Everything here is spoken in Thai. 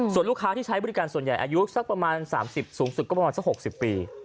ส่วนลูกค้าที่ใช้บริการส่วนใหญ่อายุสักประมาณ๓๐สูงสุดก็ประมาณสัก๖๐ปี